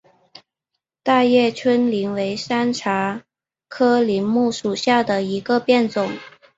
大叶川柃为山茶科柃木属下的一个变种。